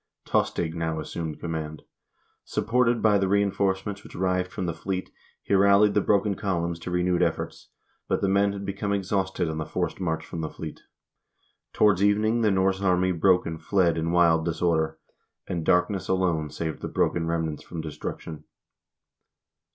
Tostig now assumed command. Supported by the reinforcements which arrived from the fleet, he rallied the broken columns to renewed efforts, but the men had become exhausted on the forced march from the fleet. Towards evening the Norse army broke and fled in wild disorder, and darkness alone saved the broken remnants from destruction.